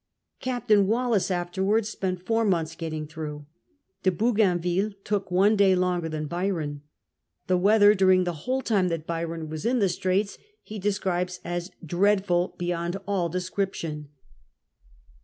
Captain Wallis afterwards spent four months getting through. De Bougainville took one day longer than Byron. The weather during the whole time that Byron was in the Straits he describes as dreadful beyond all descrip tion."